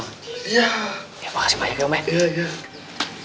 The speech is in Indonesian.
ya makasih banyak ya men